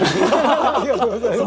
ありがとうございます。